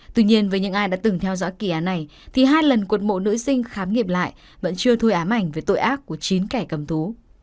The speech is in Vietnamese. tuy nhiên với những ai đã từng theo dõi kỳ án này thì hai lần cột mộ nữ sinh khám nghiệp lại vẫn chưa thôi ám ảnh về tội ác của chín kẻ cầm thú